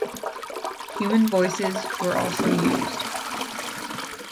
Human voices were also used.